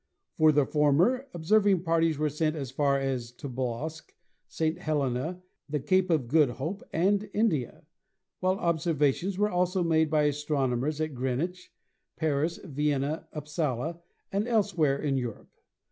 For the former, observing parties were sent as far as to Tobolsk, St. Helena, the Cape of Good Hope and India, while observations were also made by astronomers at Greenwich, Paris, Vienna, Upsala and elsewhere in Europe.